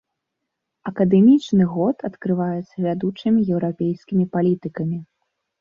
Акадэмічны год адкрываецца вядучымі еўрапейскімі палітыкамі.